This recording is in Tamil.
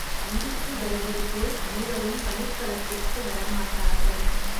பந்திக்கு வருவது போல் அனைவரும் பணிக் களத்திற்கு வரமாட்டார்கள்.